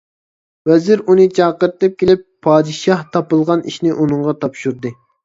ۋەزىر ئۇنى چاقىرتىپ كېلىپ، پادىشاھ تاپىلىغان ئىشنى ئۇنىڭغا تاپشۇردى.